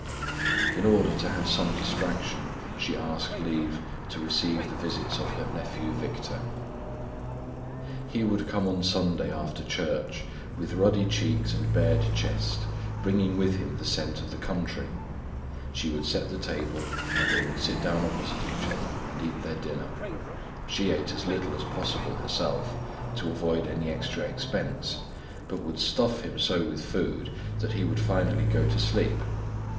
In order to have some distraction, she asked leave to receive the visits of her nephew Victor. He would come on Sunday, after church, with ruddy cheeks and bared chest, bringing with him the scent of the country. She would set the table and they would sit down opposite each other, and eat their dinner; she ate as little as possible, herself, to avoid any extra expense, but would stuff him so with food that he would finally go to sleep.